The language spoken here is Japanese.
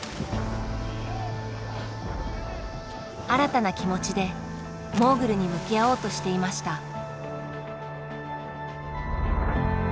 新たな気持ちでモーグルに向き合おうとしていました。